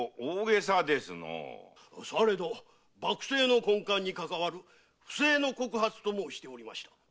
されど幕政の根幹にかかわる不正の告発と申しておりました。